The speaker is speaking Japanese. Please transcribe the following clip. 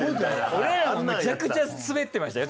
俺らもめちゃくちゃスベってましたよ。